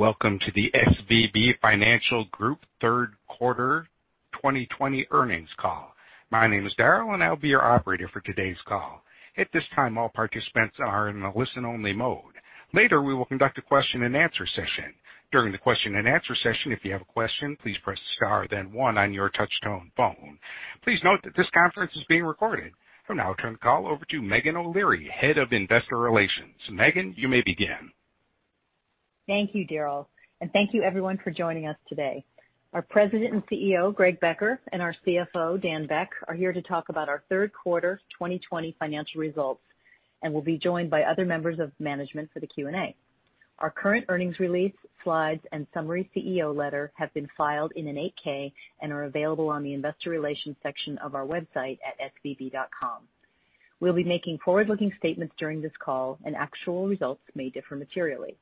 Welcome to the SVB Financial Group third quarter 2020 earnings call. My name is Daryl, and I'll be your operator for today's call. At this time, all participants are in a listen-only mode. Later, we will conduct a question-and-answer session. During the question-and-answer session, if you have a question, please press star then one on your touch-tone phone. Please note that this conference is being recorded. I will now turn the call over to Meghan O'Leary, Head of Investor Relations. Meghan, you may begin. Thank you, Daryl, and thank you everyone for joining us today. Our President and CEO, Greg Becker, and our CFO, Dan Beck, are here to talk about our third quarter 2020 financial results, and will be joined by other members of management for the Q&A. Our current earnings release, slides, and summary CEO letter have been filed in an 8-K and are available on the investor relations section of our website at svb.com. We'll be making forward-looking statements during this call and actual results may differ materially.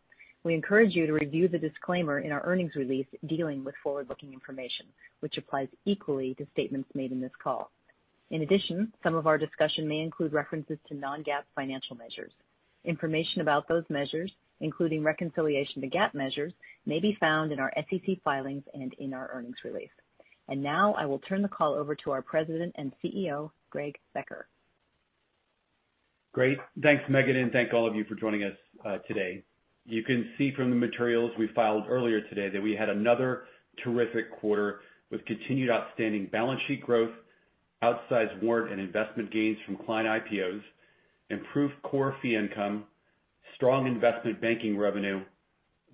We encourage you to review the disclaimer in our earnings release dealing with forward-looking information, which applies equally to statements made in this call. In addition, some of our discussion may include references to non-GAAP financial measures. Information about those measures, including reconciliation to GAAP measures, may be found in our SEC filings and in our earnings release. Now I will turn the call over to our President and CEO, Greg Becker. Great. Thanks, Meghan. Thank all of you for joining us today. You can see from the materials we filed earlier today that we had another terrific quarter with continued outstanding balance sheet growth, outsized warrant and investment gains from client IPOs, improved core fee income, strong investment banking revenue,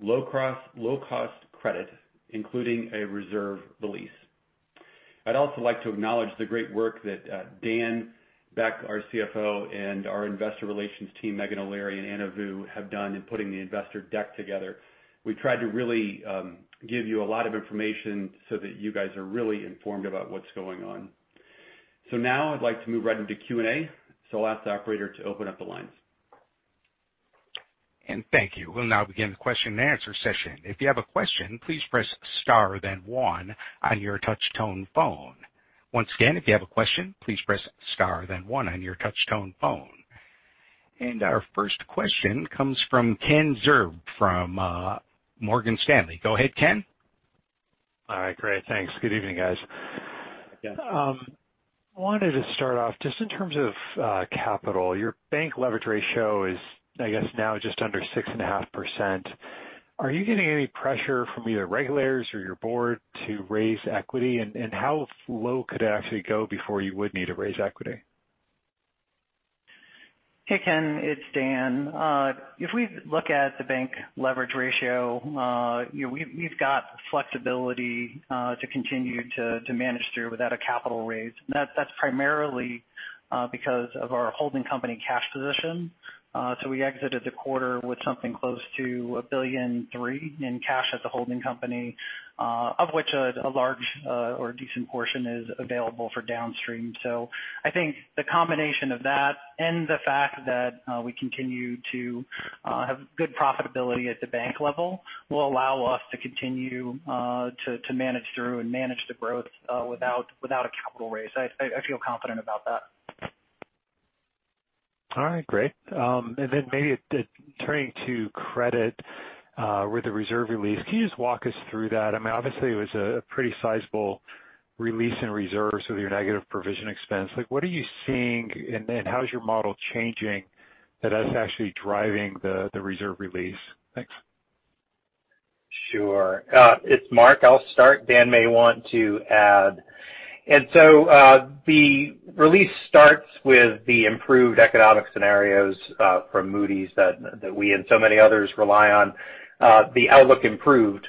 low cost credit, including a reserve release. I'd also like to acknowledge the great work that Dan Beck, our CFO, and our investor relations team, Meghan O'Leary and Anna Vu, have done in putting the investor deck together. We tried to really give you a lot of information so that you guys are really informed about what's going on. Now I'd like to move right into Q&A. I'll ask the operator to open up the lines. Thank you. We'll now begin the question-and-answer session. If you have a question, please press star then one on your touch-tone phone. Once again, if you have a question, please press star then one on your touch-tone phone. Our first question comes from Ken Zerbe from Morgan Stanley. Go ahead, Ken. All right, great. Thanks. Good evening, guys. Yes. I wanted to start off just in terms of capital. Your bank leverage ratio is, I guess now just under 6.5%. Are you getting any pressure from either regulators or your Board to raise equity? How low could it actually go before you would need to raise equity? Hey, Ken, it's Dan. If we look at the bank leverage ratio, we've got flexibility to continue to manage through without a capital raise. That's primarily because of our holding company cash position. We exited the quarter with something close to $1,000,000,003 in cash at the holding company, of which a large or a decent portion is available for downstream. I think the combination of that and the fact that we continue to have good profitability at the bank level will allow us to continue to manage through and manage the growth without a capital raise so I feel confident about that. All right, great. Then maybe turning to credit with the reserve release. Can you just walk us through that? Obviously it was a pretty sizable release in reserve, so your negative provision expense. What are you seeing, and how is your model changing that's actually driving the reserve release? Thanks. Sure. It's Marc. I'll start. Dan may want to add. The release starts with the improved economic scenarios from Moody's that we and so many others rely on. The outlook improved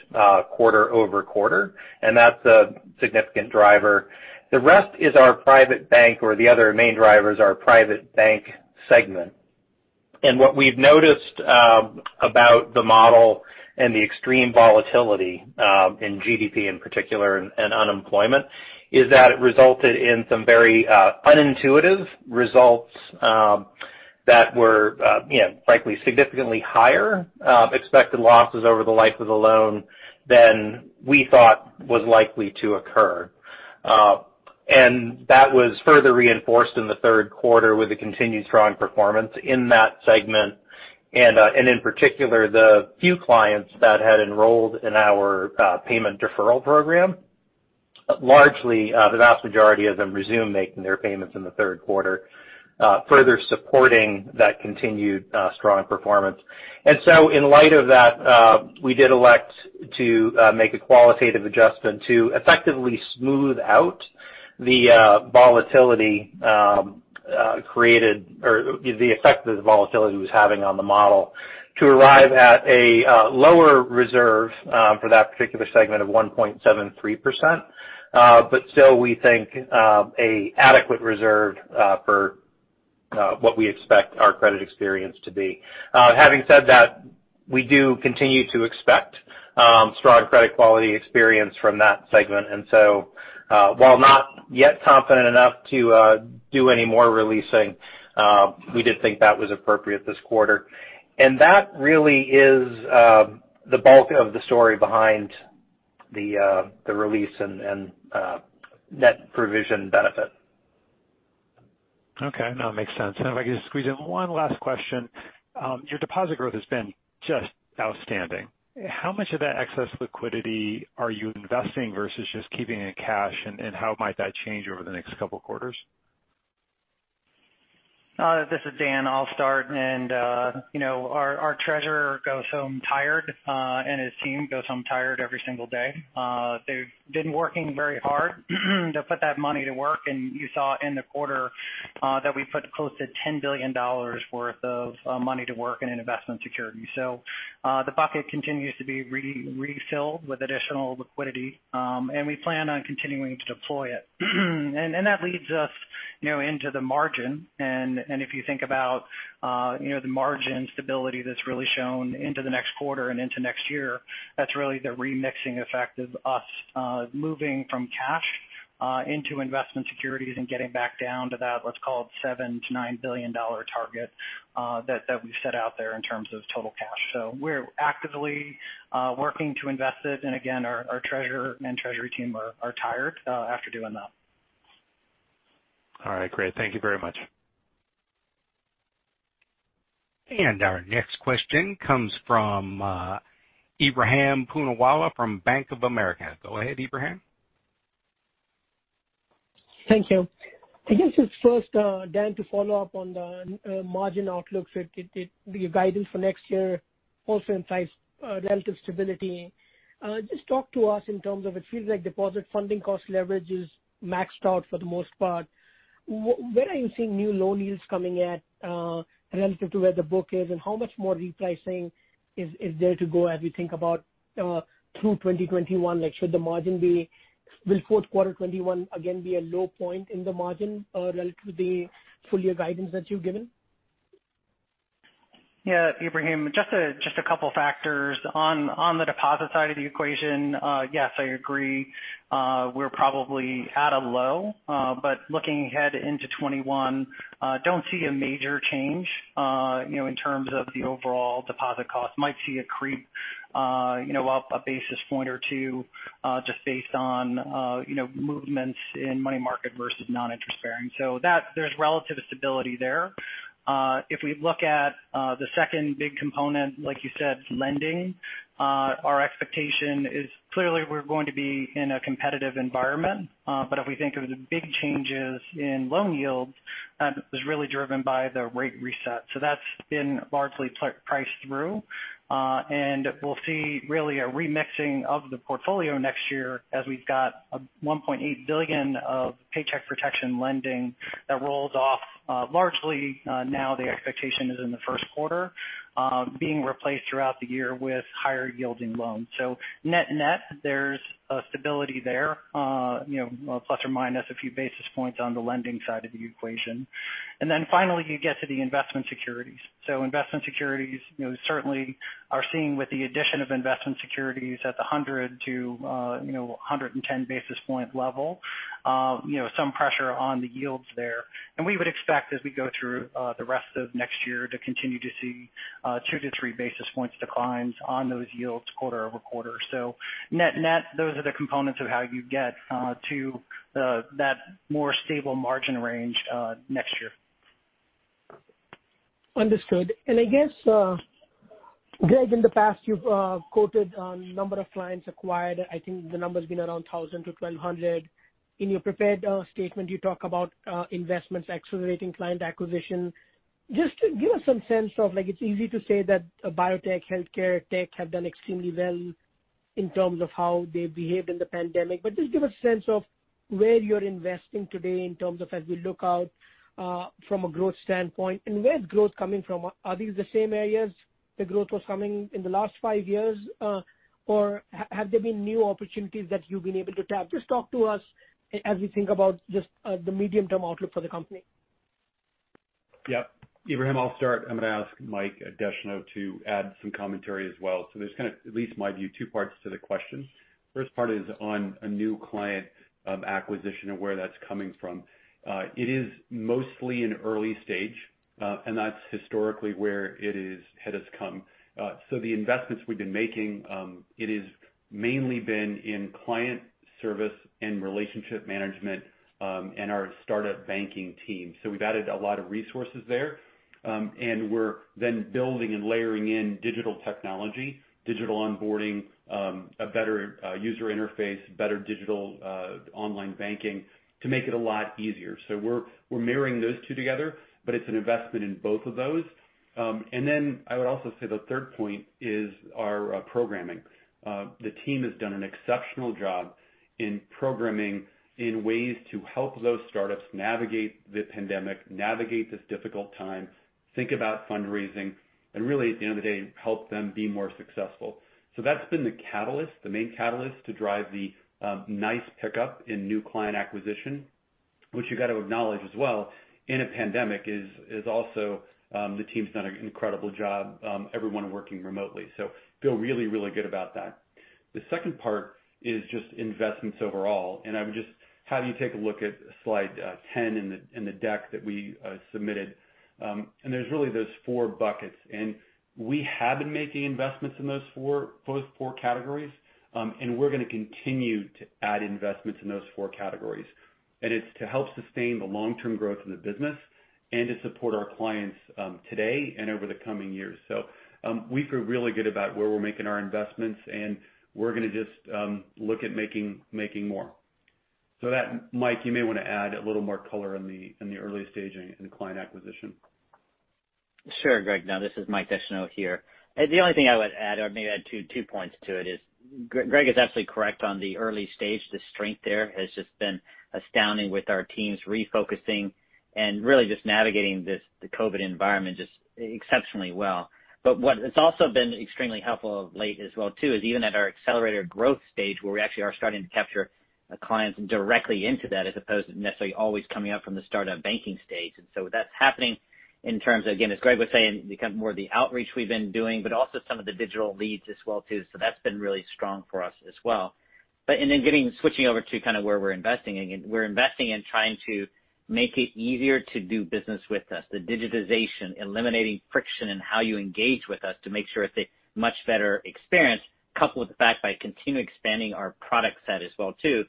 quarter-over-quarter, and that's a significant driver. The rest is our Private Bank or the other main drivers are our Private Bank segment. What we've noticed about the model and the extreme volatility in GDP in particular and unemployment is that it resulted in some very unintuitive results that were frankly significantly higher expected losses over the life of the loan than we thought was likely to occur. That was further reinforced in the third quarter with the continued strong performance in that segment and then in particular, the few clients that had enrolled in our payment deferral program, largely the vast majority of them resumed making their payments in the third quarter, further supporting that continued strong performance. And so in light of that, we did elect to make a qualitative adjustment to effectively smooth out the volatility created or the effect that the volatility was having on the model to arrive at a lower reserve for that particular segment of 1.73%. Still we think an adequate reserve for what we expect our credit experience to be. Having said that, we do continue to expect strong credit quality experience from that segment. While not yet confident enough to do any more releasing, we did think that was appropriate this quarter and that really is the bulk of the story behind the release and net provision benefit. Okay. No, it makes sense. If I could just squeeze in one last question. Your deposit growth has been just outstanding. How much of that excess liquidity are you investing versus just keeping in cash and how might that change over the next couple of quarters? This is Dan. I'll start. Our treasurer goes home tired, and his team goes home tired every single day. They've been working very hard to put that money to work. You saw in the quarter that we put close to $10 billion worth of money to work in an investment security. The bucket continues to be refilled with additional liquidity. We plan on continuing to deploy it. That leads us into the margin. If you think about the margin stability that's really shown into the next quarter and into next year, that's really the remixing effect of us moving from cash into investment securities and getting back down to that, let's call it $7 billion-$9 billion target that we've set out there in terms of total cash so we're actively working to invest it. Again, our treasurer and treasury team are tired after doing that. All right. Great. Thank you very much. Our next question comes from Ebrahim Poonawala from Bank of America. Go ahead, Ebrahim. Thank you. I guess just first, Dan, to follow up on the margin outlook. Your guidance for next year also implies relative stability. Just talk to us in terms of it feels like deposit funding cost leverage is maxed out for the most part. Where are you seeing new loan yields coming at relative to where the book is? How much more repricing is there to go as we think about through 2021? Will fourth quarter 2021 again be a low point in the margin relative to the full year guidance that you've given? Yeah, Ebrahim, just a couple of factors. On the deposit side of the equation, yes, I agree. We're probably at a low. Looking ahead into 2021, don't see a major change in terms of the overall deposit cost. Might see a creep up a basis point or two just based on movements in money market versus non-interest-bearing. There's relative stability there. If we look at the second big component, like you said, lending, our expectation is clearly we're going to be in a competitive environment. If we think of the big changes in loan yields, that was really driven by the rate reset. That's been largely priced through. We'll see really a remixing of the portfolio next year as we've got a $1.8 billion of Paycheck Protection lending that rolls off largely now the expectation is in the first quarter, being replaced throughout the year with higher yielding loans. Net-net, there's a stability there, plus or minus a few basis points on the lending side of the equation. Finally, you get to the investment securities. Investment securities certainly are seeing with the addition of investment securities at the 100-110 basis point level some pressure on the yields there. We would expect as we go through the rest of next year to continue to see 2 to 3 basis points declines on those yields quarter-over-quarter. Net-net, those are the components of how you get to that more stable margin range next year. Understood. I guess, Greg, in the past you've quoted a number of clients acquired. I think the number's been around 1,000-1,200. In your prepared statement, you talk about investments accelerating client acquisition. Just give us some sense of it's easy to say that biotech, healthcare, tech have done extremely well in terms of how they behaved in the pandemic but just give a sense of where you're investing today in terms of as we look out from a growth standpoint. Where's growth coming from? Are these the same areas the growth was coming in the last five years o r have there been new opportunities that you've been able to tap? Just talk to us as we think about just the medium-term outlook for the company. Ebrahim, I'll start. I'm going to ask Mike Descheneaux to add some commentary as well. There's kind of, at least my view, two parts to the question. First part is on a new client acquisition and where that's coming from. It is mostly in early stage and that's historically where it is, had us come. The investments we've been making it is mainly been in client service and relationship management and our startup banking team. We've added a lot of resources there. We're then building and layering in digital technology, digital onboarding, a better user interface, better digital online banking to make it a lot easier. We're marrying those two together, but it's an investment in both of those and then I would also say the third point is our programming. The team has done an exceptional job in programming in ways to help those startups navigate the pandemic, navigate this difficult time, think about fundraising, and really at the end of the day, help them be more successful. That's been the catalyst, the main catalyst to drive the nice pickup in new client acquisition, which you got to acknowledge as well in a pandemic is also the team's done an incredible job everyone working remotely so feel really good about that. The second part is just investments overall, and I would just have you take a look at slide 10 in the deck that we submitted. There's really those four buckets. We have been making investments in those four categories and we're going to continue to add investments in those four categories. It's to help sustain the long-term growth in the business and to support our clients today and over the coming years. We feel really good about where we're making our investments, and we're going to just look at making more. That, Mike, you may want to add a little more color in the early stage in client acquisition. Sure, Greg. This is Mike Descheneaux here. The only thing I would add, or maybe add two points to it is, Greg is absolutely correct on the early stage. The strength there has just been astounding with our teams refocusing and really just navigating the COVID environment just exceptionally well. What has also been extremely helpful of late as well too, is even at our accelerated growth stage, where we actually are starting to capture clients directly into that as opposed to necessarily always coming up from the startup banking stage. That's happening in terms of, again, as Greg was saying, because more of the outreach we've been doing, but also some of the digital leads as well too. So that's been really strong for us as well. Switching over to kind of where we're investing. Again, we're investing in trying to make it easier to do business with us. The digitization, eliminating friction in how you engage with us to make sure it's a much better experience, coupled with the fact by continuing expanding our product set as well too,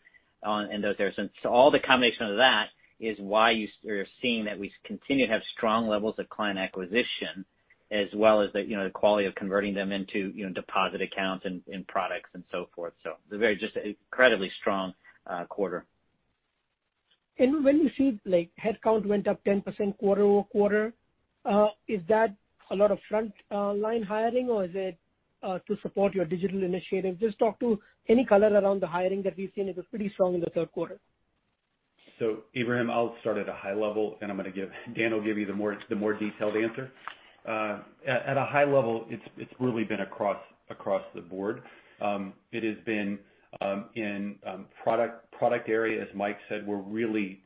in those areas. All the combination of that is why you're seeing that we continue to have strong levels of client acquisition as well as the quality of converting them into deposit accounts and products and so forth. It's a very just incredibly strong quarter. When you see like headcount went up 10% quarter-over-quarter, is that a lot of front line hiring or is it to support your digital initiative? Just talk to any color around the hiring that we've seen. It was pretty strong in the third quarter. Ebrahim, I'll start at a high level and Dan will give you the more detailed answer. At a high level, it's really been across the Board. It has been in product area, as Mike said, we're really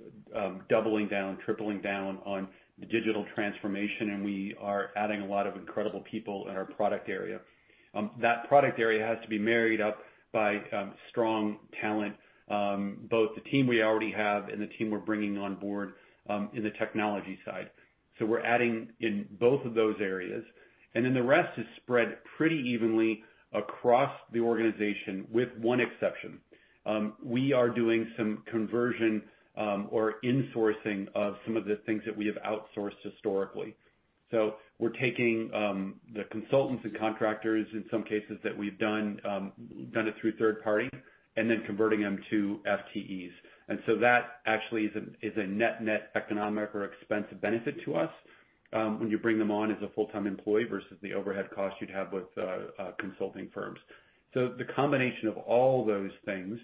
doubling down, tripling down on the digital transformation, and we are adding a lot of incredible people in our product area. That product area has to be married up by strong talent, both the team we already have and the team we're bringing on board in the technology side. We're adding in both of those areas, and then the rest is spread pretty evenly across the organization with one exception. We are doing some conversion or insourcing of some of the things that we have outsourced historically, so we're taking the consultants and contractors in some cases that we've done it through third party and then converting them to FTEs and so that actually is a net economic or expense benefit to us when you bring them on as a full-time employee versus the overhead cost you'd have with consulting firms. The combination of all those things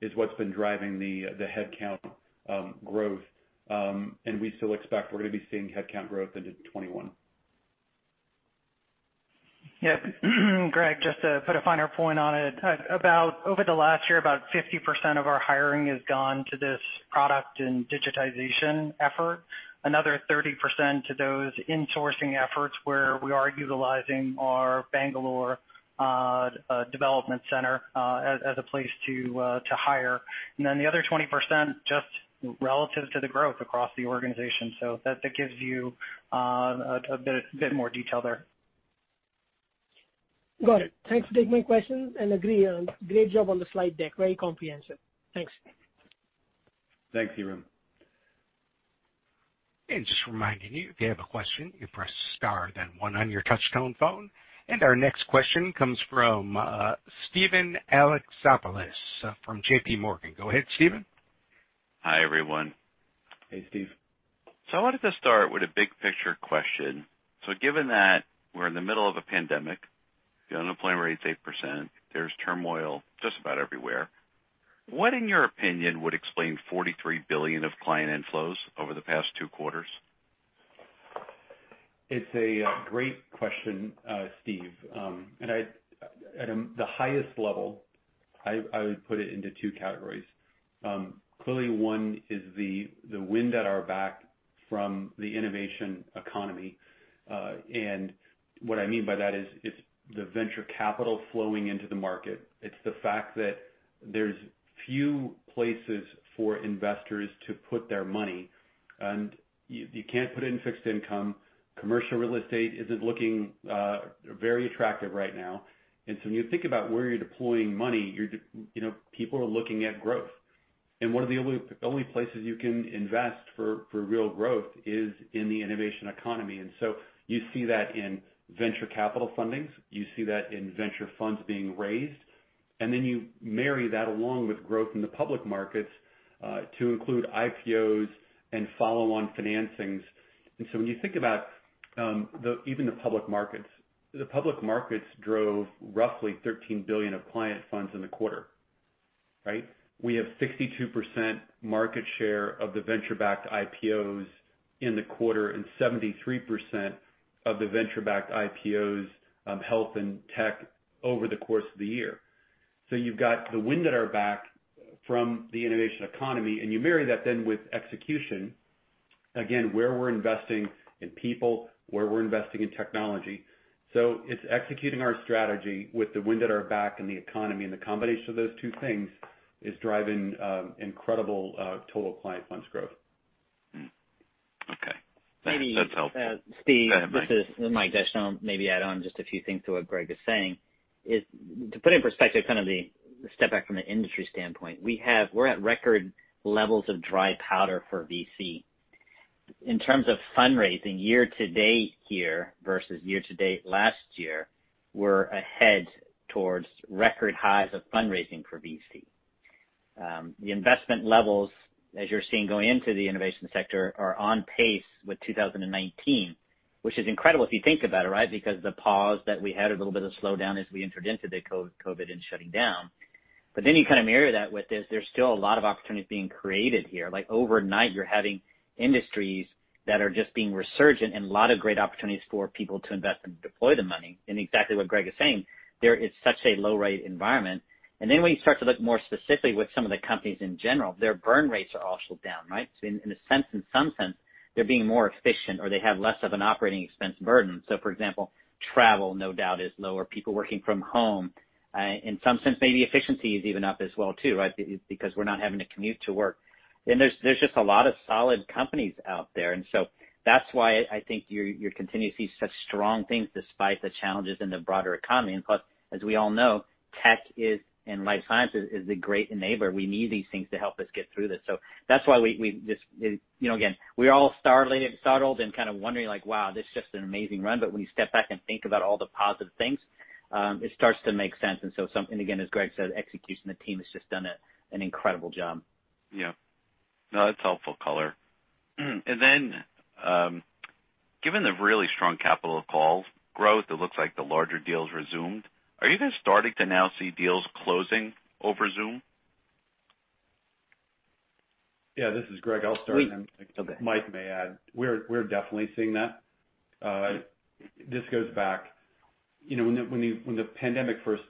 is what's been driving the headcount growth. We still expect we're going to be seeing headcount growth into 2021. Yep. Greg, just to put a finer point on it. Over the last year, about 50% of our hiring has gone to this product and digitization effort. Another 30% to those insourcing efforts where we are utilizing our Bangalore development center as a place to hire. The other 20% just relative to the growth across the organization so that gives you a bit more detail there. Got it. Thanks for taking my questions and agree on great job on the slide deck. Very comprehensive. Thanks. Thanks, Ebrahim. Just reminding you, if you have a question, you press star then one on your touchtone phone. Our next question comes from Steven Alexopoulos from JPMorgan. Go ahead, Steven. Hi, everyone. Hey, Steve. I wanted to start with a big picture question. Given that we're in the middle of a pandemic, the unemployment rate's 8%, there's turmoil just about everywhere. What, in your opinion, would explain $43 billion of client inflows over the past two quarters? It's a great question, Steve. At the highest level, I would put it into two categories. Clearly one is the wind at our back from the innovation economy. What I mean by that is it's the venture capital flowing into the market. It's the fact that there's few places for investors to put their money, and you can't put it in fixed income. Commercial real estate isn't looking very attractive right now. When you think about where you're deploying money, people are looking at growth. One of the only places you can invest for real growth is in the innovation economy so you see that in venture capital fundings. You see that in venture funds being raised and then you marry that along with growth in the public markets to include IPOs and follow-on financings. When you think about even the public markets, the public markets drove roughly $13 billion of client funds in the quarter. Right. We have 62% market share of the venture-backed IPOs in the quarter and 73% of the venture-backed IPOs, health and tech over the course of the year. You've got the wind at our back from the innovation economy, and you marry that then with execution, again, where we're investing in people, where we're investing in technology. It's executing our strategy with the wind at our back and the economy, and the combination of those two things is driving incredible total client funds growth. Okay. That's helpful. Steven, this is Mike Descheneaux. Maybe add on just a few things to what Greg is saying. To put it in perspective, kind of the step back from the industry standpoint, we're at record levels of dry powder for VC. In terms of fundraising year-to-date here versus year-to-date last year, we're ahead towards record highs of fundraising for VC. The investment levels, as you're seeing going into the innovation sector, are on pace with 2019, which is incredible if you think about it, right, because the pause that we had, a little bit of slowdown as we entered into the COVID and shutting down. You kind of marry that with this, there's still a lot of opportunities being created here. Like overnight, you're having industries that are just being resurgent and a lot of great opportunities for people to invest and deploy the money. Exactly what Greg is saying, there is such a low-rate environment. When you start to look more specifically with some of the companies in general, their burn rates are also down, right? In some sense, they're being more efficient, or they have less of an operating expense burden. For example, travel, no doubt, is lower. People working from home. In some sense, maybe efficiency is even up as well too, right? Because we're not having to commute to work. There's just a lot of solid companies out there. That's why I think you're continuing to see such strong things despite the challenges in the broader economy. Plus, as we all know, tech is, and life sciences, is a great enabler. We need these things to help us get through this. Again, we're all startled and kind of wondering, like, wow, this is just an amazing run. When you step back and think about all the positive things, it starts to make sense. Again, as Greg said, execution, the team has just done an incredible job. Yeah. No, that's helpful color. And then given the really strong capital calls growth, it looks like the larger deals resumed. Are you guys starting to now see deals closing over Zoom? Yeah, this is Greg. I'll start and- We're still there. Mike may add. We're definitely seeing that. This goes back, when the pandemic first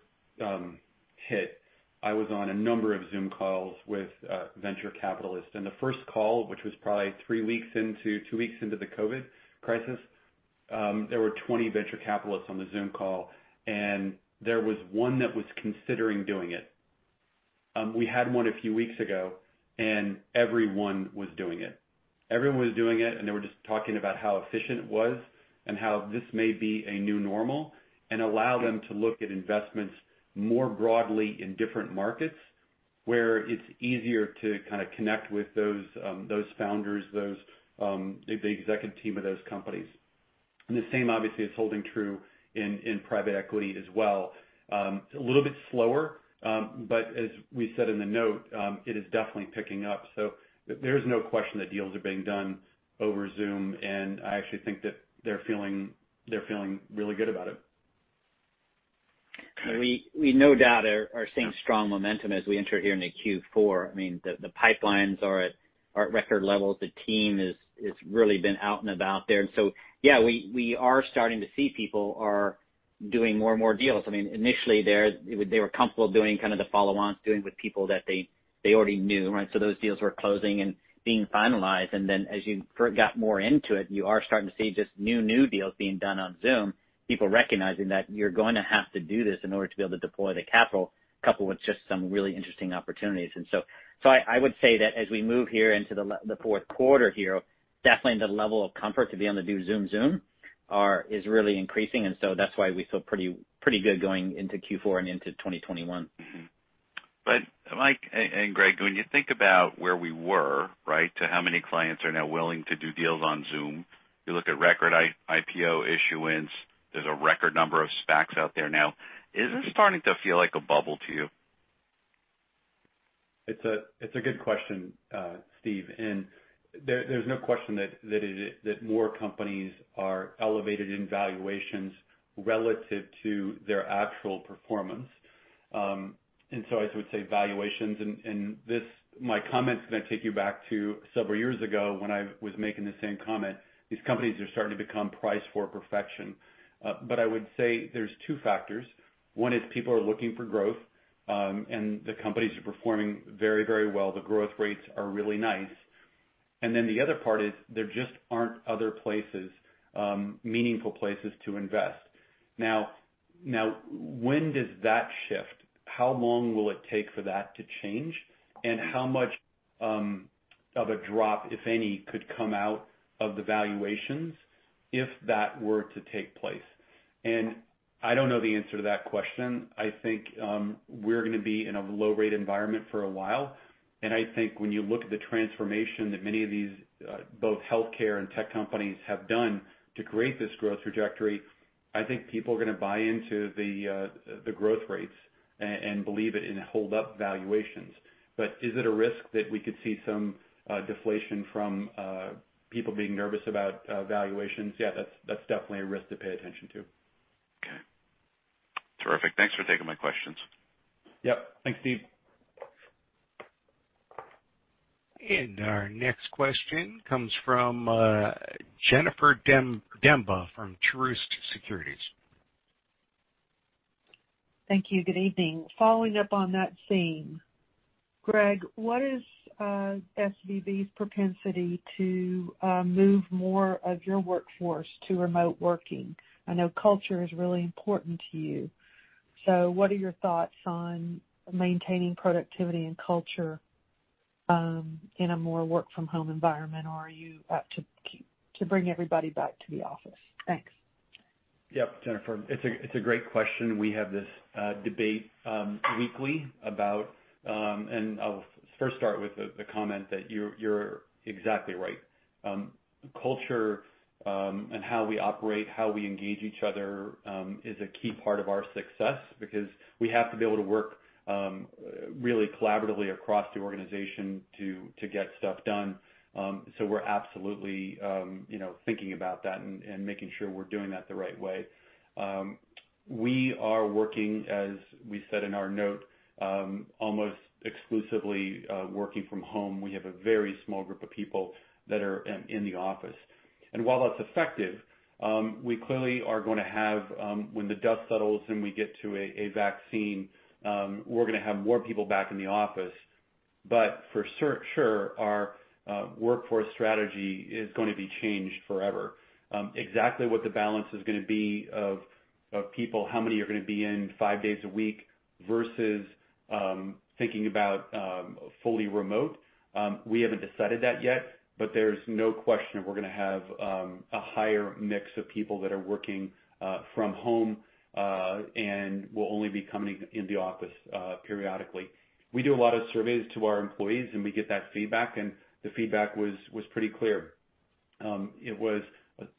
hit, I was on a number of Zoom calls with venture capitalists. The first call, which was probably three weeks into, two weeks into the COVID crisis, there were 20 venture capitalists on the Zoom call, and there was one that was considering doing it. We had one a few weeks ago, and everyone was doing it. Everyone was doing it, and they were just talking about how efficient it was and how this may be a new normal and allow them to look at investments more broadly in different markets, where it's easier to kind of connect with those founders, the executive team of those companies. The same, obviously, is holding true in private equity as well. It's a little bit slower. As we said in the note, it is definitely picking up. There is no question that deals are being done over Zoom, and I actually think that they're feeling really good about it. We no doubt are seeing strong momentum as we enter here into Q4. The pipelines are at record levels. The team has really been out and about there. Yeah, we are starting to see people are doing more and more deals. Initially, they were comfortable doing kind of the follow-ons, dealing with people that they already knew, right? Those deals were closing and being finalized. And then as you got more into it, you are starting to see just new deals being done on Zoom. People recognizing that you're going to have to do this in order to be able to deploy the capital, coupled with just some really interesting opportunities. I would say that as we move here into the fourth quarter here, definitely the level of comfort to be able to do Zoom is really increasing and s that's why we feel pretty good going into Q4 and into 2021. Mike and Greg, when you think about where we were, right, to how many clients are now willing to do deals on Zoom, you look at record IPO issuance, there's a record number of SPACs out there now. Is this starting to feel like a bubble to you? It's a good question, Steve. There's no question that more companies are elevated in valuations relative to their actual performance. I would say valuations, and my comment's going to take you back to several years ago when I was making the same comment. These companies are starting to become priced for perfection. I would say there's two factors. One is people are looking for growth, and the companies are performing very well. The growth rates are really nice. The other part is there just aren't other places, meaningful places to invest. Now, when does that shift? How long will it take for that to change? How much of a drop, if any, could come out of the valuations if that were to take place? I don't know the answer to that question. I think we're going to be in a low-rate environment for a while. I think when you look at the transformation that many of these, both healthcare and tech companies, have done to create this growth trajectory, I think people are going to buy into the growth rates and believe it and hold up valuations. Is it a risk that we could see some deflation from people being nervous about valuations? Yeah, that's definitely a risk to pay attention to. Okay. Terrific. Thanks for taking my questions. Yep. Thanks, Steve. Our next question comes from Jennifer Demba from Truist Securities. Thank you. Good evening. Following up on that theme, Greg, what is SVB's propensity to move more of your workforce to remote working? I know culture is really important to you. What are your thoughts on maintaining productivity and culture in a more work from home environment? Are you apt to bring everybody back to the office? Thanks. Yep, Jennifer, it's a great question. We have this debate weekly about. I'll first start with the comment that you're exactly right. Culture and how we operate, how we engage each other, is a key part of our success because we have to be able to work really collaboratively across the organization to get stuff done. We're absolutely thinking about that and making sure we're doing that the right way. We are working, as we said in our note, almost exclusively working from home. We have a very small group of people that are in the office. While that's effective, we clearly are going to have, when the dust settles and we get to a vaccine, we're going to have more people back in the office. For sure, our workforce strategy is going to be changed forever. Exactly what the balance is going to be of people, how many are going to be in five days a week versus thinking about fully remote? We haven't decided that yet, but there's no question we're going to have a higher mix of people that are working from home, and will only be coming in the office periodically. We do a lot of surveys to our employees, and we get that feedback, and the feedback was pretty clear. It was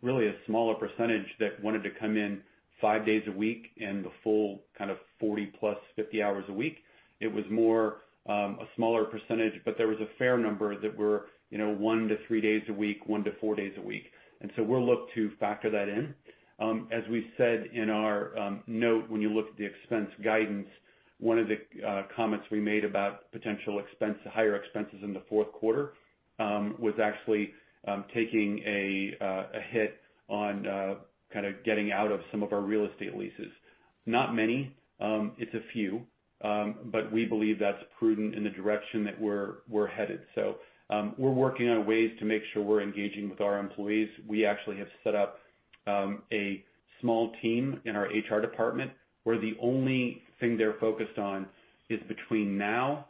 really a smaller percentage that wanted to come in five days a week and the full kind of 40+50 hours a week. It was more a smaller percentage, but there was a fair number that were one to three days a week, one to four days a week and so we'll look to factor that in. As we said in our note, when you look at the expense guidance, one of the comments we made about potential higher expenses in the fourth quarter was actually taking a hit on getting out of some of our real estate leases. Not many but it's a few, but we believe that's prudent in the direction that we're headed. We're working on ways to make sure we're engaging with our employees. We actually have set up a small team in our HR department where the only thing they're focused on is between now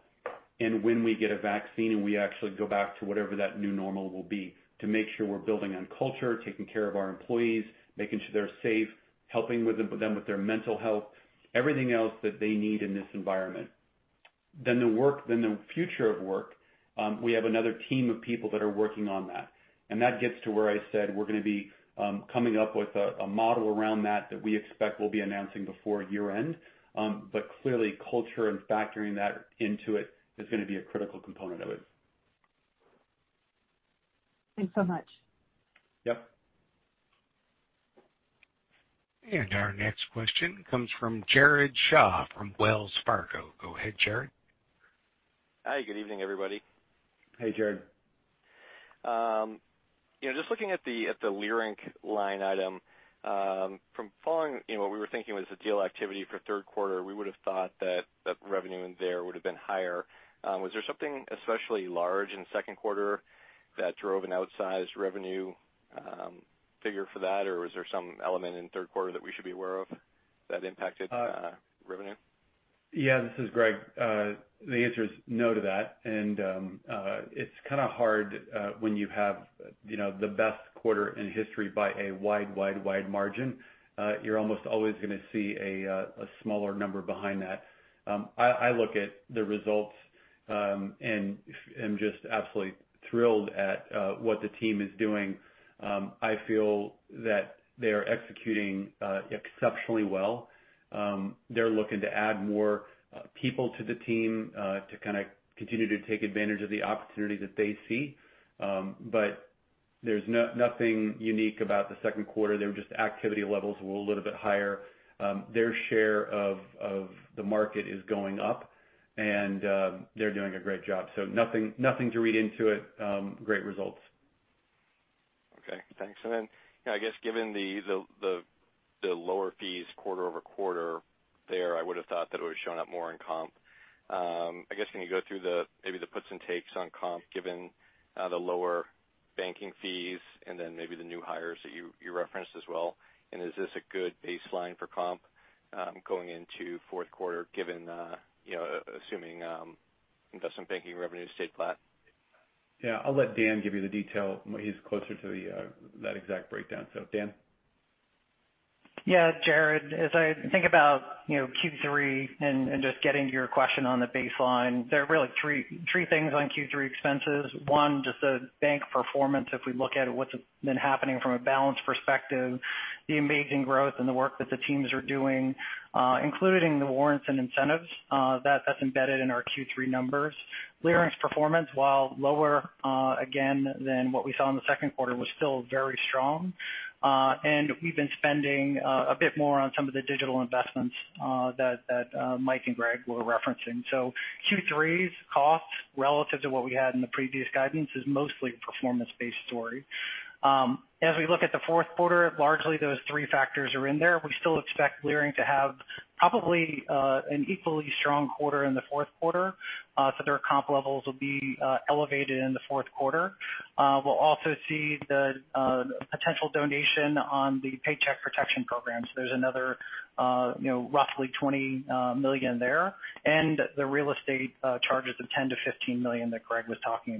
and when we get a vaccine, and we actually go back to whatever that new normal will be to make sure we're building on culture, taking care of our employees, making sure they're safe, helping them with their mental health, everything else that they need in this environment. The future of work, we have another team of people that are working on that. That gets to where I said we're going to be coming up with a model around that that we expect we'll be announcing before year end. Clearly culture and factoring that into it is going to be a critical component of it. Thanks so much. Yep. Our next question comes from Jared Shaw from Wells Fargo. Go ahead, Jared. Hi. Good evening, everybody. Hey, Jared. Just looking at the Leerink line item, from following what we were thinking was the deal activity for third quarter, we would've thought that the revenue in there would've been higher. Was there something especially large in the second quarter that drove an outsized revenue figure for that? Was there some element in the third quarter that we should be aware of that impacted revenue? Yeah, this is Greg. The answer is no to that. It's kind of hard when you have the best quarter in history by a wide margin. You're almost always going to see a smaller number behind that. I look at the results, I'm just absolutely thrilled at what the team is doing. I feel that they are executing exceptionally well. They're looking to add more people to the team to continue to take advantage of the opportunity that they see. There's nothing unique about the second quarter. Their activity levels were a little bit higher. Their share of the market is going up and they're doing a great job so nothing to read into it. Great results. Okay, thanks. Then I guess given the lower fees quarter-over-quarter there, I would've thought that it would've shown up more in comp. I guess can you go through the puts and takes on comp, given the lower banking fees and then maybe the new hires that you referenced as well? Is this a good baseline for comp going into fourth quarter, assuming investment banking revenues stay flat? Yeah, I'll let Dan give you the detail. He's closer to that exact breakdown. Dan? Yeah, Jared, as I think about Q3 and just getting to your question on the baseline, there are really three things on Q3 expenses. One, just the bank performance, if we look at what's been happening from a balance perspective, the amazing growth and the work that the teams are doing including the warrants and incentives that's embedded in our Q3 numbers. Leerink's performance, while lower again than what we saw in the second quarter, was still very strong. We've been spending a bit more on some of the digital investments that Mike and Greg were referencing. Q3's cost relative to what we had in the previous guidance is mostly a performance-based story. We look at the fourth quarter, largely those three factors are in there. We still expect Leerink to have probably an equally strong quarter in the fourth quarter. Their comp levels will be elevated in the fourth quarter. We'll also see the potential donation on the Paycheck Protection Program. There's another roughly $20 million there, and the real estate charges of $10 million-$15 million that Greg was talking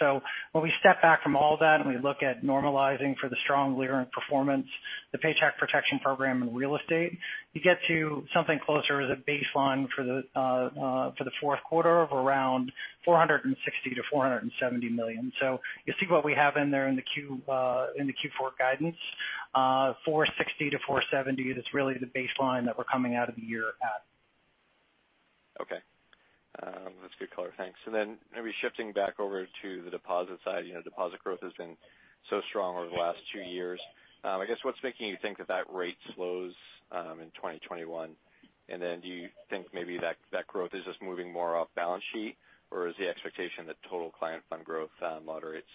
about. When we step back from all that and we look at normalizing for the strong Leerink performance, the Paycheck Protection Program, and real estate, you get to something closer as a baseline for the fourth quarter of around $460 million-$470 million. You'll see what we have in there in the Q4 guidance, $460 million-$470 million, that's really the baseline that we're coming out of the year at. Okay. That's good color. Thanks. Maybe shifting back over to the deposit side. Deposit growth has been so strong over the last two years. I guess what's making you think that that rate slows in 2021? Do you think maybe that growth is just moving more off balance sheet, or is the expectation that total client fund growth moderates?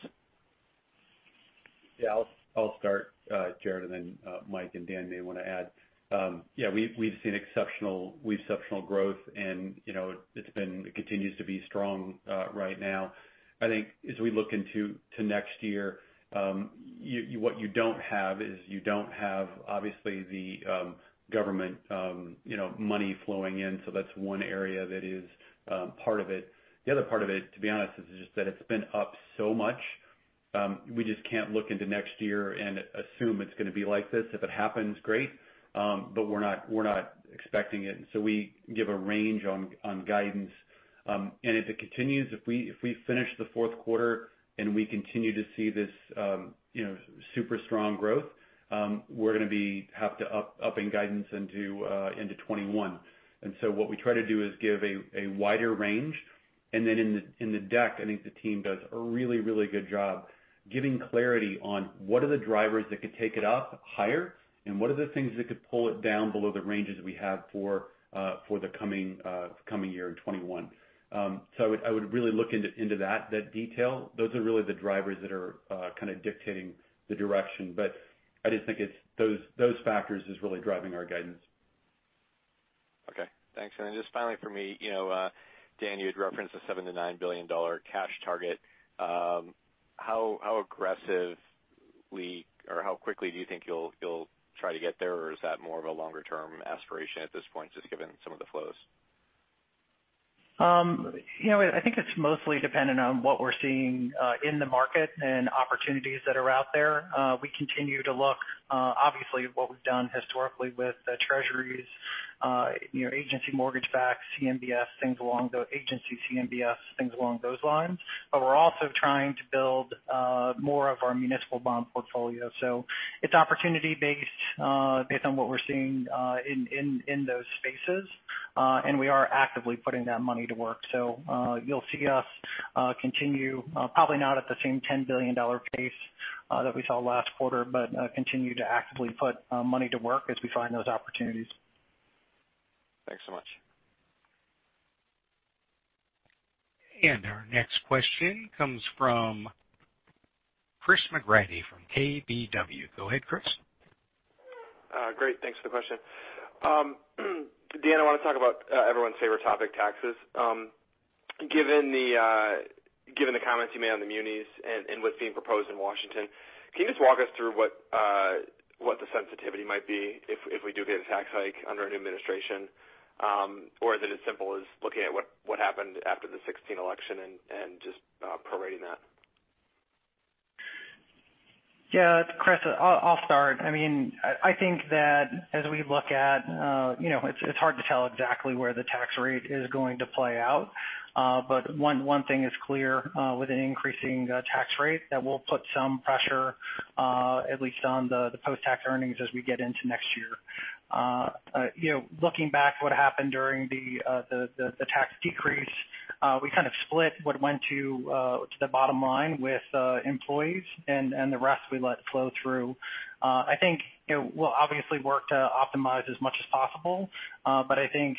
I'll start, Jared, and then Mike and Dan may want to add. We've seen exceptional growth and it continues to be strong right now. I think as we look into next year, what you don't have is you don't have, obviously, the government money flowing in. That's one area that is part of it. The other part of it, to be honest, is just that it's been up so much. We just can't look into next year and assume it's going to be like this. If it happens, great but we're not expecting it. We give a range on guidance. If it continues, if we finish the fourth quarter and we continue to see this super strong growth, we're going to have to up guidance into 2021 and so what we try to do is give a wider range. Then in the deck, I think the team does a really good job giving clarity on what are the drivers that could take it up higher and what are the things that could pull it down below the ranges we have for the coming year in 2021. I would really look into that detail. Those are really the drivers that are kind of dictating the direction. I just think it's those factors is really driving our guidance. Okay. Thanks. Just finally from me, Dan, you had referenced the $7 billion-$9 billion cash target. How aggressively or how quickly do you think you'll try to get there? Is that more of a longer-term aspiration at this point, just given some of the flows? I think it's mostly dependent on what we're seeing in the market and opportunities that are out there. We continue to look, obviously what we've done historically with treasuries, agency mortgage-backed CMBS, things along those lines. We're also trying to build more of our municipal bond portfolio. It's opportunity-based on what we're seeing in those spaces. We are actively putting that money to work. You'll see us continue, probably not at the same $10 billion pace that we saw last quarter, but continue to actively put money to work as we find those opportunities. Thanks so much. Our next question comes from Chris McGratty from KBW. Go ahead, Chris. Great. Thanks for the question. Dan, I want to talk about everyone's favorite topic, taxes. Given the comments you made on the munis and what's being proposed in Washington, can you just walk us through what the sensitivity might be if we do get a tax hike under a new administration or is it as simple as looking at what happened after the 2016 election and just prorating that? Yeah. Chris, I'll start. I think that as we look at it's hard to tell exactly where the tax rate is going to play out. One thing is clear with an increasing tax rate that will put some pressure at least on the post-tax earnings as we get into next year. Looking back what happened during the tax decrease, we kind of split what went to the bottom line with employees, and the rest we let flow through. I think we'll obviously work to optimize as much as possible. I think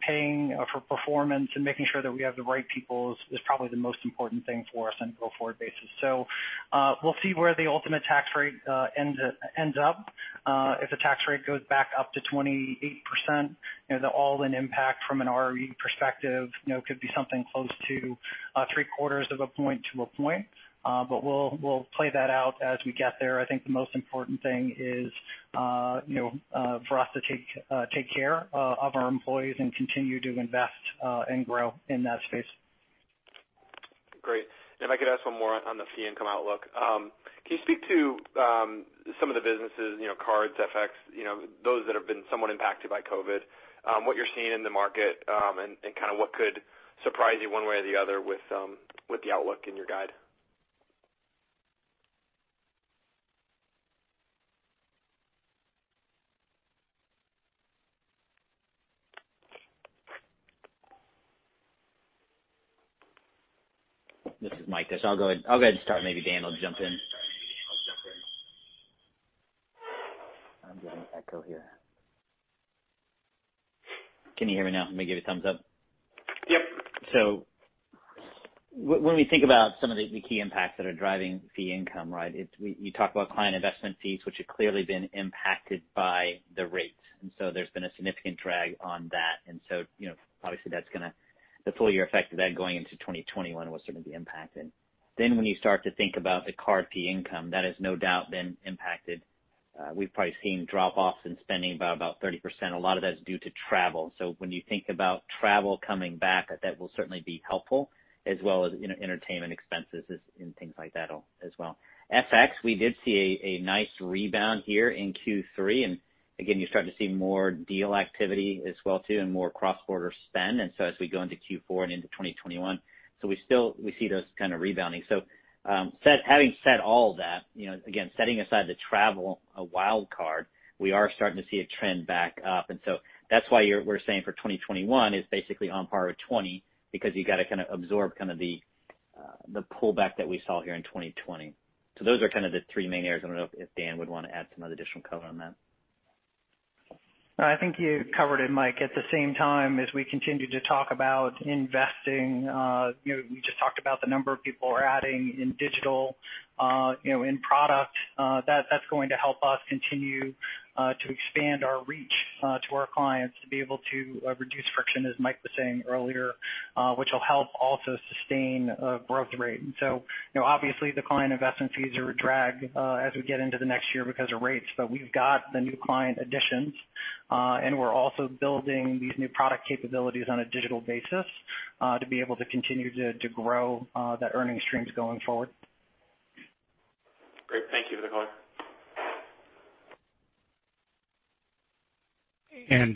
paying for performance and making sure that we have the right people is probably the most important thing for us on a go-forward basis. We'll see where the ultimate tax rate ends up. If the tax rate goes back up to 28%, the all-in impact from an ROE perspective could be something close to three-quarters of a point to a point. We'll play that out as we get there. I think the most important thing is for us to take care of our employees and continue to invest and grow in that space. Great. If I could ask one more on the fee income outlook. Can you speak to some of the businesses, cards, FX, those that have been somewhat impacted by COVID, what you're seeing in the market, and kind of what could surprise you one way or the other with the outlook in your guide? This is Mike. I'll go ahead and start. Maybe Dan will jump in. I'm getting echo here. Can you hear me now? Let me give you thumbs up. Yep. When we think about some of the key impacts that are driving fee income, right? We talk about client investment fees, which have clearly been impacted by the rates, and so there's been a significant drag on that. Obviously the full year effect of that going into 2021 will certainly be impacted. When you start to think about the card fee income, that has no doubt been impacted. We've probably seen drop-offs in spending by about 30%. A lot of that is due to travel. When you think about travel coming back, that will certainly be helpful as well as entertainment expenses and things like that as well. FX, we did see a nice rebound here in Q3. Again, you're starting to see more deal activity as well too, and more cross-border spend. As we go into Q4 and into 2021, we see those kind of rebounding. Having said all of that, again, setting aside the travel, a wild card, we are starting to see a trend back up. That's why we're saying for 2021 is basically on par with 2020 because you've got to kind of absorb the pullback that we saw here in 2020. Those are kind of the three main areas. I don't know if Dan would want to add some other additional color on that. No, I think you covered it, Mike. At the same time as we continue to talk about investing, we just talked about the number of people we're adding in digital, in product. That's going to help us continue to expand our reach to our clients to be able to reduce friction, as Mike was saying earlier, which will help also sustain a growth rate. Obviously the client investment fees are a drag as we get into the next year because of rates. We've got the new client additions and we're also building these new product capabilities on a digital basis to be able to continue to grow that earnings streams going forward. Great. Thank you for the color.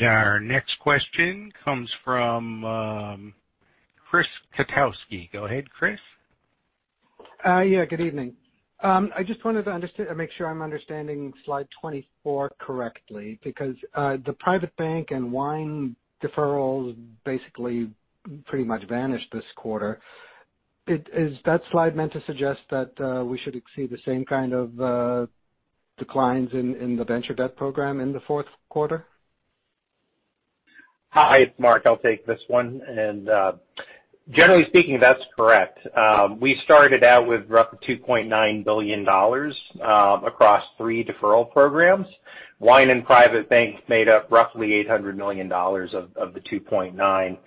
Our next question comes from Chris Kotowski. Go ahead, Chris. Yeah, good evening. I just wanted to make sure I'm understanding slide 24 correctly because the Private Bank and Wine deferrals basically pretty much vanished this quarter. Is that slide meant to suggest that we should exceed the same kind of declines in the venture debt program in the fourth quarter? Hi, it's Marc. I'll take this one. Generally speaking, that's correct. We started out with roughly $2.9 billion across three deferral programs. Wine and Private Bank made up roughly $800 million of the $2.9 billion.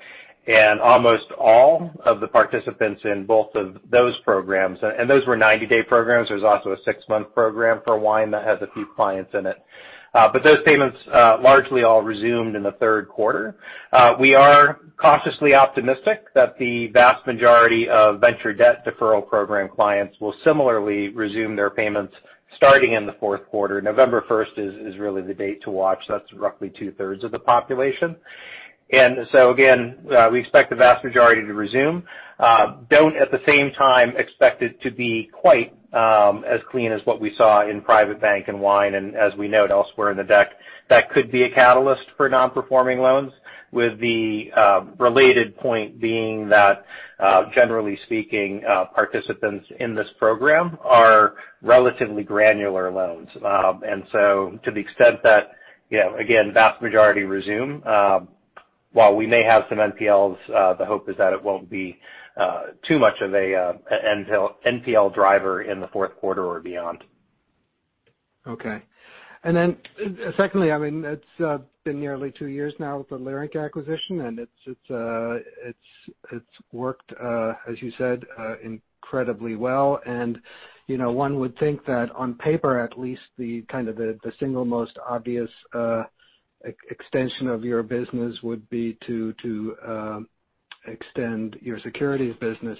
Almost all of the participants in both of those programs, and those were 90-day programs. There's also a six-month program for Wine that has a few clients in it. Those payments largely all resumed in the third quarter. We are cautiously optimistic that the vast majority of venture debt deferral program clients will similarly resume their payments starting in the fourth quarter. November 1st is really the date to watch. That's roughly 2/3 of the population. Again we expect the vast majority to resume. Don't at the same time expect it to be quite as clean as what we saw in Private Bank and Wine. As we note elsewhere in the deck, that could be a catalyst for non-performing loans with the related point being that generally speaking participants in this program are relatively granular loans. And so to the extent that again, vast majority resume, while we may have some NPLs, the hope is that it won't be too much of a NPL driver in the fourth quarter or beyond. Okay. And then secondly, it's been nearly two years now with the Leerink acquisition, and it's worked as you said incredibly well. One would think that on paper at least the kind of the single most obvious extension of your business would be to extend your securities business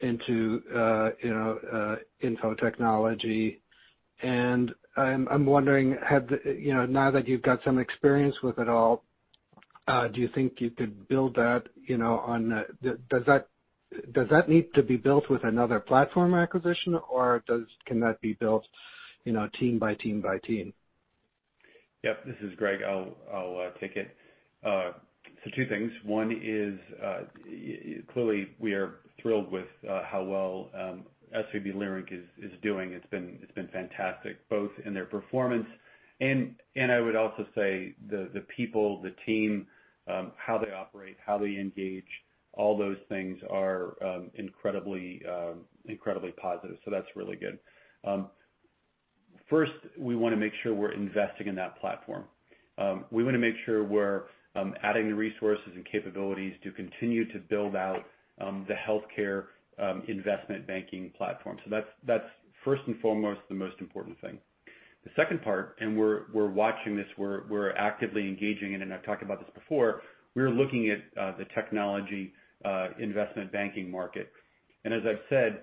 into info technology. I'm wondering now that you've got some experience with it all, do you think you could build that? Does that need to be built with another platform acquisition, or can that be built team by team? Yep. This is Greg. I'll take it. Two things. One is clearly we are thrilled with how well SVB Leerink is doing. It's been fantastic both in their performance, and I would also say the people, the team, how they operate, how they engage, all those things are incredibly positive. That's really good. First, we want to make sure we're investing in that platform. We want to make sure we're adding the resources and capabilities to continue to build out the healthcare investment banking platform. That's first and foremost the most important thing. The second part, we're watching this. We're actively engaging in, and I've talked about this before. We're looking at the technology investment banking market. As I've said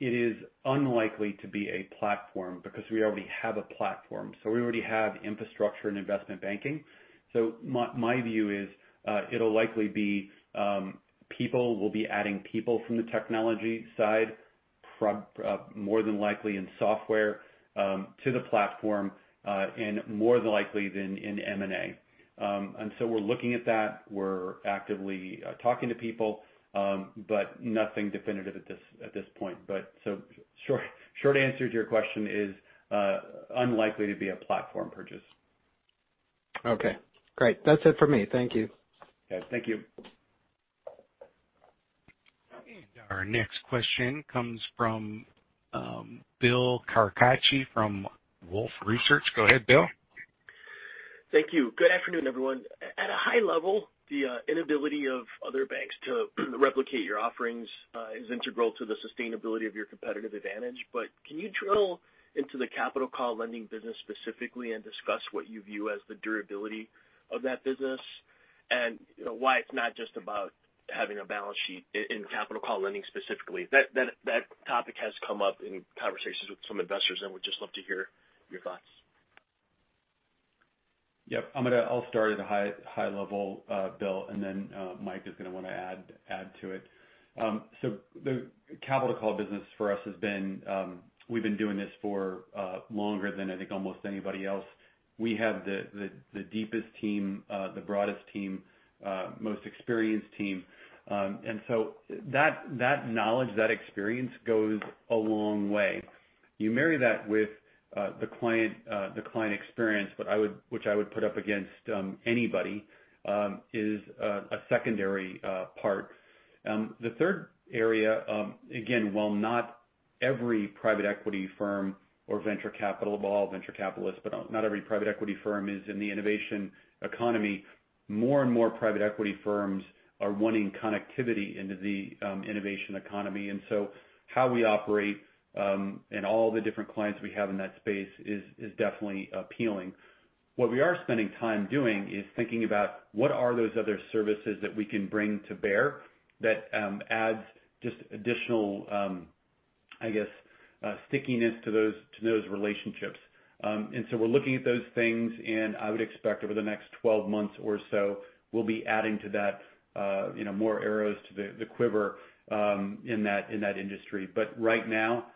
it is unlikely to be a platform because we already have a platform. We already have infrastructure and investment banking. My view is it'll likely be people. We'll be adding people from the technology side more than likely in software to the platform and more than likely in M&A. We're looking at that. We're actively talking to people, but nothing definitive at this point. Short answer to your question is unlikely to be a platform purchase. Okay, great. That's it for me. Thank you. Yeah, thank you. Our next question comes from Bill Carcache from Wolfe Research. Go ahead, Bill. Thank you. Good afternoon, everyone. At a high level, the inability of other banks to replicate your offerings is integral to the sustainability of your competitive advantage. Can you drill into the capital call lending business specifically and discuss what you view as the durability of that business and why it's not just about having a balance sheet in capital call lending specifically? That topic has come up in conversations with some investors, would just love to hear your thoughts. Yep. I'll start at a high level, Bill, and then Mike is going to want to add to it. The capital call business for us, we've been doing this for longer than I think almost anybody else. We have the deepest team, the broadest team, most experienced team. That knowledge, that experience goes a long way. You marry that with the client experience, which I would put up against anybody, is a secondary part. The third area, again, while not every private equity firm or venture capital, well, venture capitalist, but not every private equity firm is in the innovation economy. More and more private equity firms are wanting connectivity into the innovation economy. How we operate, and all the different clients we have in that space is definitely appealing. What we are spending time doing is thinking about what are those other services that we can bring to bear that adds just additional, I guess, stickiness to those relationships. We're looking at those things, and I would expect over the next 12 months or so, we'll be adding to that more arrows to the quiver in that industry. Right now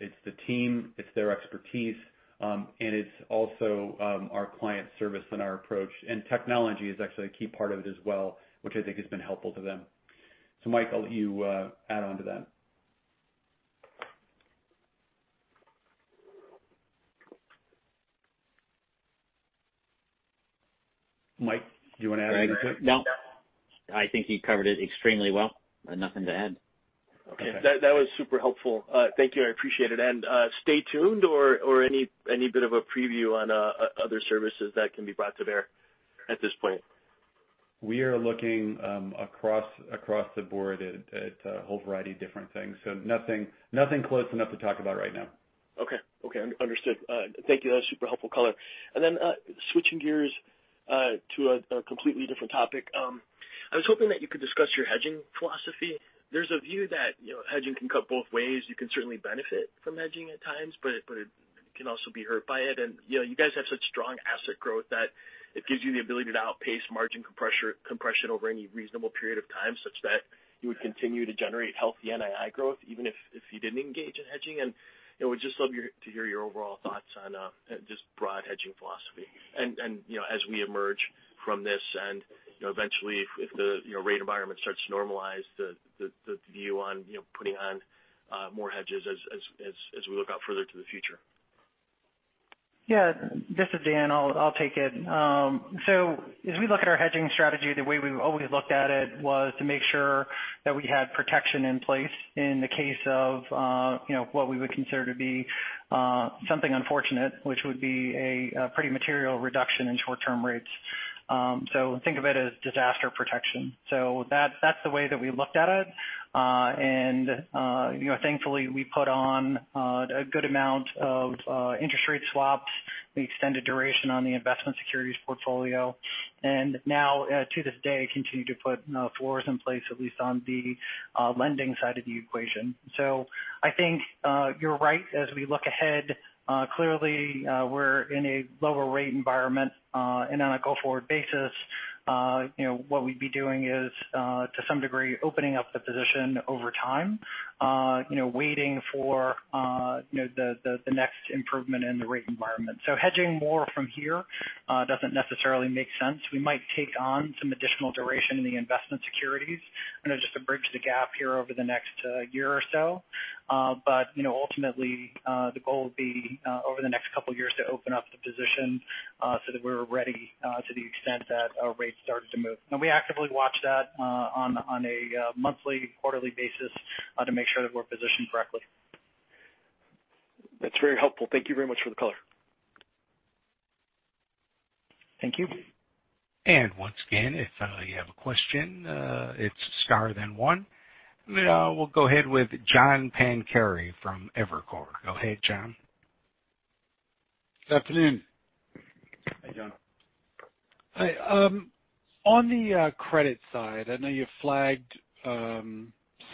it's the team, it's their expertise, and it's also our client service and our approach, and technology is actually a key part of it as well, which I think has been helpful to them. Mike, I'll let you add on to that. Mike, do you want to add anything to it? No, I think you covered it extremely well. Nothing to add. Okay. That was super helpful. Thank you. I appreciate it. Stay tuned or any bit of a preview on other services that can be brought to bear at this point? We are looking across the board at a whole variety of different things. Nothing close enough to talk about right now. Okay. Understood. Thank you. That was super helpful color. Switching gears to a completely different topic. I was hoping that you could discuss your hedging philosophy. There's a view that hedging can cut both ways. You can certainly benefit from hedging at times, but it can also be hurt by it. You guys have such strong asset growth that it gives you the ability to outpace margin compression over any reasonable period of time, such that you would continue to generate healthy NII growth even if you didn't engage in hedging. Would just love to hear your overall thoughts on just broad hedging philosophy and then as we emerge from this and eventually if the rate environment starts to normalize the view on putting on more hedges as we look out further to the future. This is Dan, I'll take it. As we look at our hedging strategy, the way we've always looked at it was to make sure that we had protection in place in the case of what we would consider to be something unfortunate, which would be a pretty material reduction in short-term rates. Think of it as disaster protection, so that's the way that we looked at it. Thankfully, we put on a good amount of interest rate swaps. We extended duration on the investment securities portfolio, and now to this day, continue to put floors in place, at least on the lending side of the equation. I think you're right. As we look ahead, clearly, we're in a lower rate environment. On a go-forward basis what we'd be doing is to some degree, opening up the position over time waiting for the next improvement in the rate environment. Hedging more from here doesn't necessarily make sense. We might take on some additional duration in the investment securities just to bridge the gap here over the next year or so. Ultimately, the goal would be over the next couple of years to open up the position so that we're ready to the extent that rates started to move. We actively watch that on a monthly, quarterly basis to make sure that we're positioned correctly. That's very helpful. Thank you very much for the color. Thank you. Once again, if you have a question, it's star then one. We'll go ahead with John Pancari from Evercore. Go ahead, John. Good afternoon. Hi, John. Hi. On the credit side, I know you flagged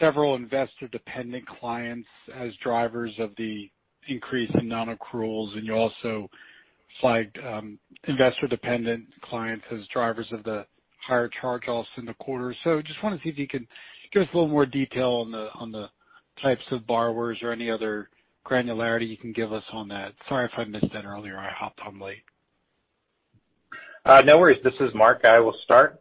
several investor-dependent clients as drivers of the increase in non-accruals, and you also flagged investor-dependent clients as drivers of the higher charge-offs in the quarter. Just want to see if you can give us a little more detail on the types of borrowers or any other granularity you can give us on that. Sorry if I missed that earlier. I hopped on late. No worries. This is Marc. I will start.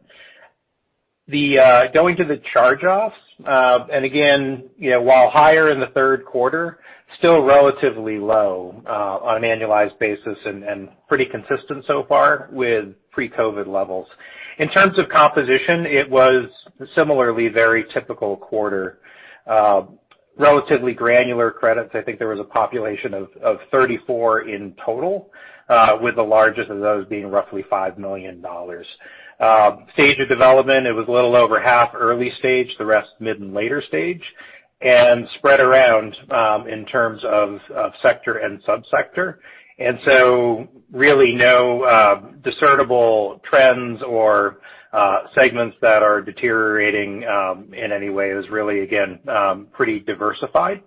Going to the charge-offs, again, while higher in the third quarter, still relatively low on an annualized basis and pretty consistent so far with pre-COVID levels. In terms of composition, it was similarly very typical quarter. Relatively granular credits. I think there was a population of 34 in total, with the largest of those being roughly $5 million. Stage of development, it was a little over half early stage, the rest mid and later stage, and spread around in terms of sector and sub-sector. And so really no discernible trends or segments that are deteriorating in any way. It was really, again, pretty diversified.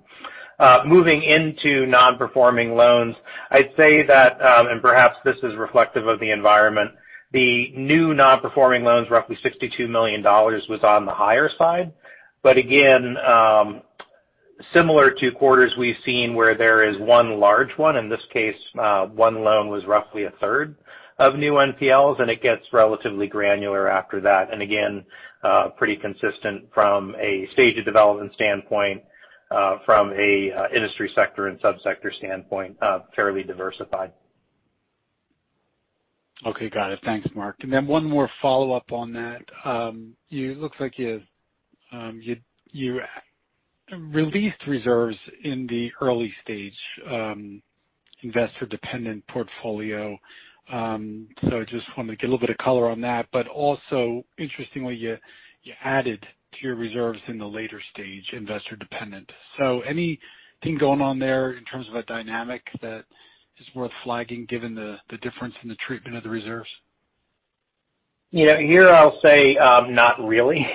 Moving into non-performing loans, I'd say that, and perhaps this is reflective of the environment, the new non-performing loans, roughly $62 million, was on the higher side. Again, similar to quarters we've seen where there is one large one. In this case, one loan was roughly 1/3 of new NPLs, and it gets relatively granular after that. Again, pretty consistent from a stage of development standpoint, from a industry sector and sub-sector standpoint, fairly diversified. Okay. Got it. Thanks, Marc. One more follow-up on that. It looks like you released reserves in the early stage investor-dependent portfolio. I just want to get a little bit of color on that. Also, interestingly, you added to your reserves in the later stage investor dependent. Anything going on there in terms of a dynamic that is worth flagging given the difference in the treatment of the reserves? Here I'll say, not really.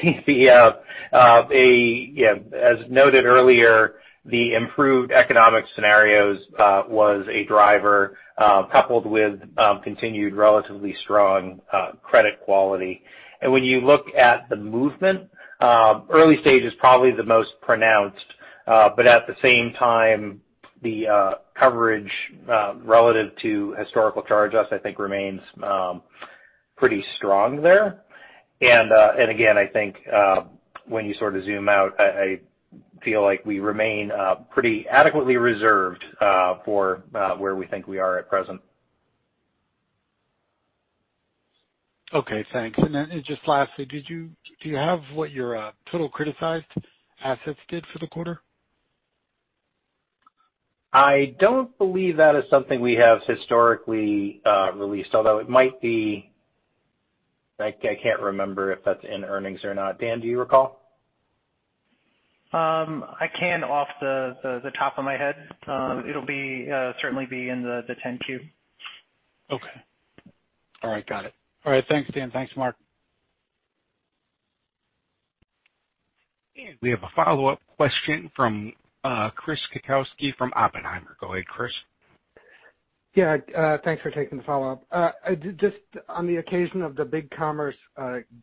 As noted earlier, the improved economic scenarios was a driver coupled with continued relatively strong credit quality. When you look at the movement, early stage is probably the most pronounced. At the same time, the coverage relative to historical charge-offs, I think remains pretty strong there. Again, I think when you sort of zoom out, I feel like we remain pretty adequately reserved for where we think we are at present. Okay, thanks. Then just lastly, do you have what your total criticized assets did for the quarter? I don't believe that is something we have historically released, although it might be. I can't remember if that's in earnings or not. Dan, do you recall? I can't off the top of my head. It'll certainly be in the 10-Q. Okay. All right. Got it. All right. Thanks, Dan. Thanks, Marc. We have a follow-up question from Chris Kotowski from Oppenheimer. Go ahead, Chris. Yeah. Thanks for taking the follow-up. Just on the occasion of the BigCommerce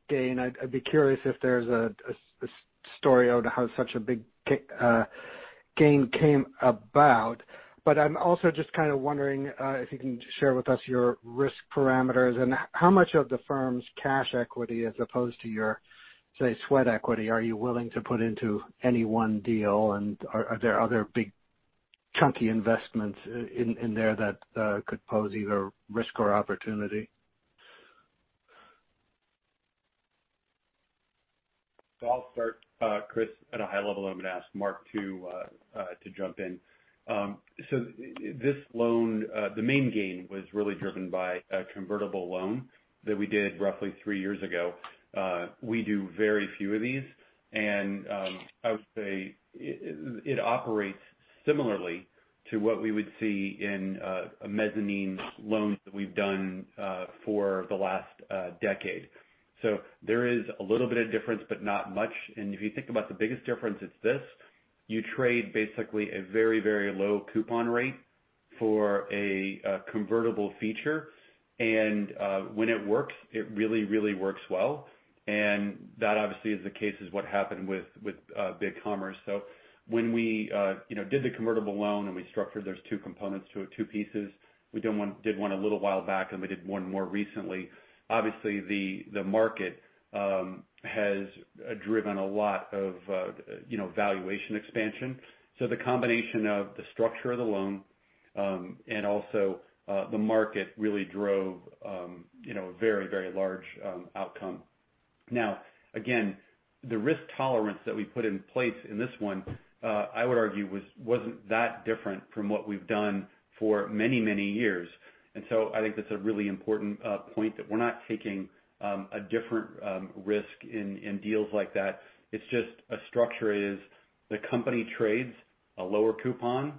gain, I'd be curious if there's a story on how such a big gain came about. I'm also just kind of wondering if you can share with us your risk parameters and how much of the firm's cash equity as opposed to your, say, sweat equity are you willing to put into any one deal, and are there other big chunky investments in there that could pose either risk or opportunity? I'll start, Chris, at a high level, and then ask Marc to jump in. This loan, the main gain was really driven by a convertible loan that we did roughly three years ago. We do very few of these, and I would say it operates similarly to what we would see in a mezzanine loan that we've done for the last decade. There is a little bit of difference, but not much. If you think about the biggest difference, it's this. You trade basically a very low coupon rate for a convertible feature. When it works, it really works well and that obviously is the case is what happened with BigCommerce. When we did the convertible loan and we structured those two components to it, two pieces. We did one a little while back, and we did one more recently. Obviously, the market has driven a lot of valuation expansion. The combination of the structure of the loan, and also the market really drove a very large outcome. Now, again, the risk tolerance that we put in place in this one, I would argue, wasn't that different from what we've done for many years. I think that's a really important point, that we're not taking a different risk in deals like that. It's just a structure is the company trades a lower coupon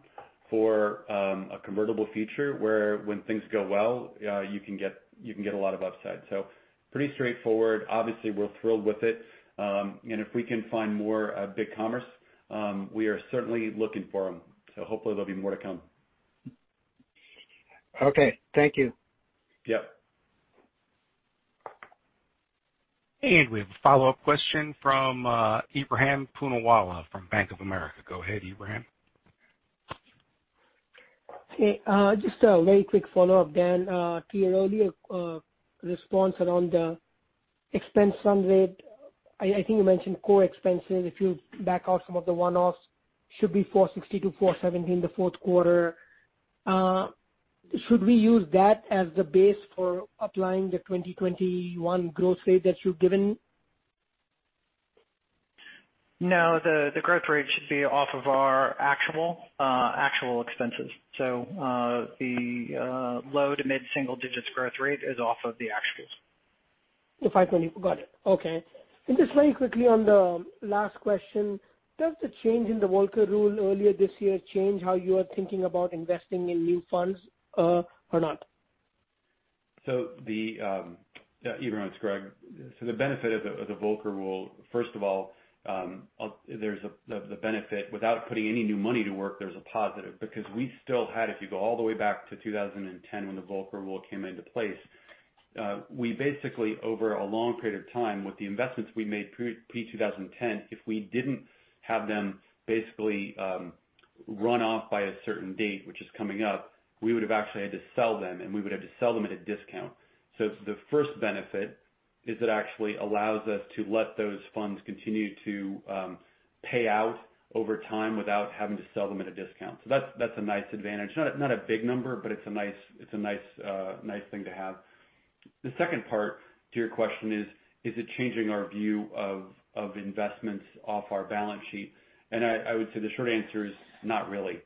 for a convertible feature where when things go well you can get a lot of upside. Pretty straightforward. Obviously, we're thrilled with it. If we can find more BigCommerce, we are certainly looking for them. Hopefully there'll be more to come. Okay. Thank you. Yep. We have a follow-up question from Ebrahim Poonawala from Bank of America. Go ahead, Ebrahim. Hey, just a very quick follow-up, Dan, to your earlier response around the expense run rate. I think you mentioned core expenses, if you back out some of the one-offs, should be $460 million-$470 million the fourth quarter. Should we use that as the base for applying the 2021 growth rate that you've given? No, the growth rate should be off of our actual expenses. The low to mid single digits growth rate is off of the actuals. The $520 million. Got it. Okay. Just very quickly on the last question, does the change in the Volcker Rule earlier this year change how you are thinking about investing in new funds or not? Ebrahim, it's Greg. The benefit of the Volcker Rule, first of all, there's the benefit without putting any new money to work, there's a positive because we still had, if you go all the way back to 2010 when the Volcker Rule came into place, but we basically over a long period of time with the investments we made pre-2010, if we didn't have them basically run off by a certain date, which is coming up, we would have actually had to sell them and we would have to sell them at a discount. The first benefit is it actually allows us to let those funds continue to pay out over time without having to sell them at a discount. That's a nice advantage. Not a big number, but it's a nice thing to have. The second part to your question is it changing our view of investments off our balance sheet? I would say the short answer is not really.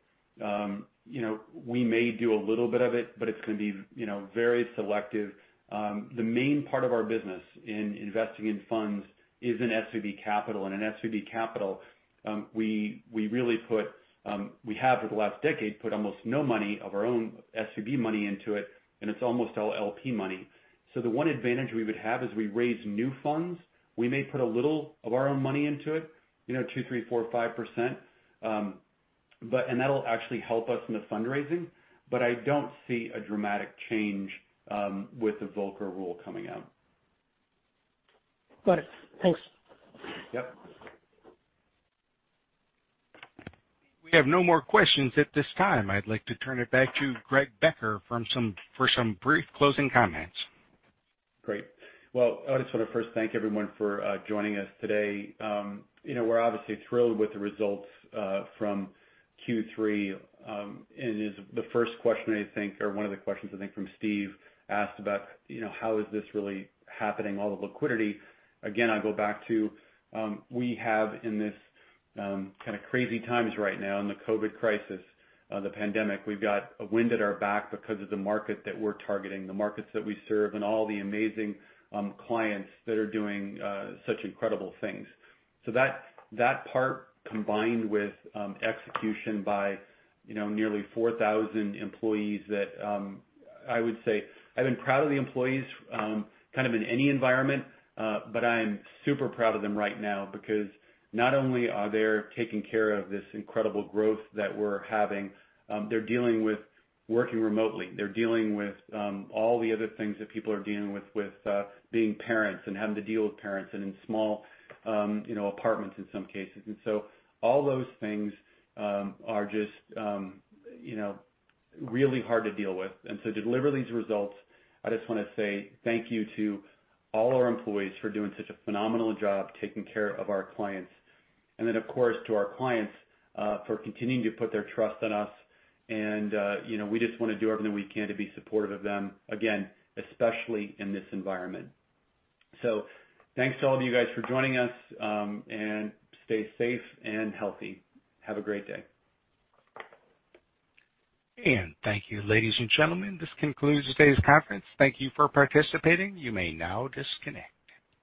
We may do a little bit of it, but it's going to be very selective. The main part of our business in investing in funds is in SVB Capital. In SVB Capital, we have for the last decade put almost no money of our own SVB money into it, and it's almost all LP money. The one advantage we would have is we raise new funds. We may put a little of our own money into it, 2%, 3% 4%, 5%, and that'll actually help us in the fundraising. I don't see a dramatic change with the Volcker Rule coming out. Got it. Thanks. Yep. We have no more questions at this time. I'd like to turn it back to Greg Becker for some brief closing comments. Great. Well, I just want to first thank everyone for joining us today. We're obviously thrilled with the results from Q3. The first question I think, or one of the questions I think from Steve asked about how is this really happening, all the liquidity? Again, I go back to, we have in this kind of crazy times right now in the COVID crisis, the pandemic, we've got a wind at our back because of the market that we're targeting, the markets that we serve, and all the amazing clients that are doing such incredible things. That part combined with execution by nearly 4,000 employees that I would say I've been proud of the employees kind of in any environment. I'm super proud of them right now because not only are they taking care of this incredible growth that we're having, they're dealing with working remotely. They're dealing with all the other things that people are dealing with being parents and having to deal with parents and in small apartments in some cases. All those things are just really hard to deal with. To deliver these results, I just want to say thank you to all our employees for doing such a phenomenal job taking care of our clients. Of course, to our clients for continuing to put their trust in us. We just want to do everything we can to be supportive of them, again, especially in this environment. Thanks to all of you guys for joining us, and stay safe and healthy. Have a great day. Thank you, ladies and gentlemen. This concludes today's conference. Thank you for participating. You may now disconnect.